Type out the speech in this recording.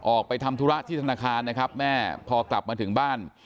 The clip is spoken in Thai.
ออกไปทำธุระที่ธนาคารนะครับแม่พอกลับมาถึงบ้าน